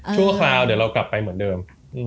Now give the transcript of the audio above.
ฉุบคราวเดี๋ยวกลับไปเหมือนเดิม